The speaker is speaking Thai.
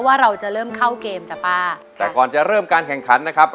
ว่าเราจะเริ่มเข้าเกมจ้ะป้าแต่ก่อนจะเริ่มการแข่งขันนะครับ